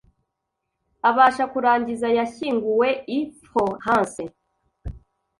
abasha kurangiza yashyinguwe i Florence